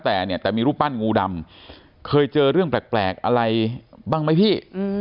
แต่เนี่ยแต่มีรูปปั้นงูดำเคยเจอเรื่องแปลกอะไรบ้างไหมพี่